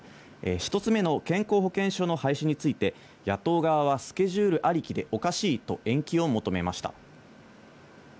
１つ目の健康保険証の廃止について、野党側はスケジュールありきでおかしいと延期を求めました。